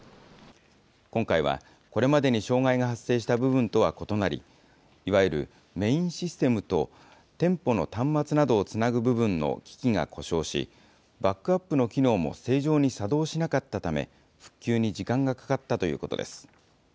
今回は、これまでに障害が発生した部分とは異なり、いわゆるメインシステムと店舗の端末などをつなぐ部分の機器が故障し、バックアップの機能も正常に作動しなかったため、復旧に時間がかかったということです。